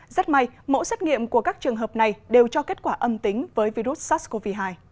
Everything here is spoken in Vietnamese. rất may mẫu xét nghiệm của các trường hợp này đều cho kết quả âm tính với virus sars cov hai